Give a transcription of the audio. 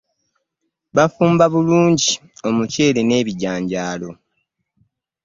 Bafumba obungi ,omuceere n'ebijanjaalo.